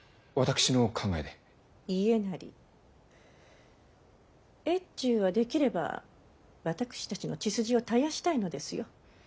家斉越中はできれば私たちの血筋を絶やしたいのですよ。